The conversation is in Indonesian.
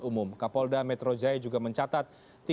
umum kapolda metro jaya juga mencatat